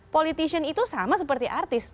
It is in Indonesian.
politician itu sama seperti artis